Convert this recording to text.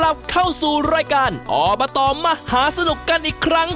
กลับเข้าสู่รายการออบาตอร์มาหาสนุกกันอีกครั้งครับ